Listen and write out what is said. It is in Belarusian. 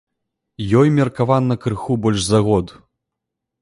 Ёй меркавана крыху больш за год.